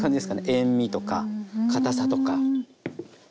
塩味とかかたさとか。